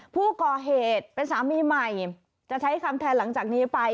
ผู้ก่อเหตุเป็นสามีใหม่จะใช้คำแทนหลังจากนี้ไป